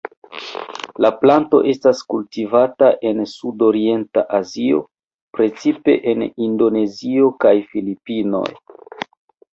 La planto estas kultivata en sudorienta Azio, precipe en Indonezio kaj Filipinoj.